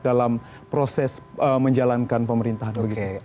dalam proses menjalankan pemerintahan